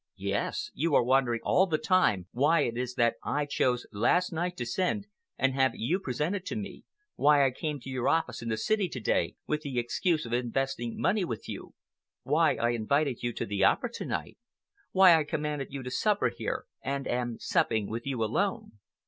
"Yes! You are wondering all the time why it is that I chose last night to send and have you presented to me, why I came to your office in the city to day with the excuse of investing money with you, why I invited you to the Opera to night, why I commanded you to supper here and am supping with you alone.